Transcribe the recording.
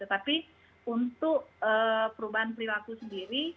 tetapi untuk perubahan perilaku sendiri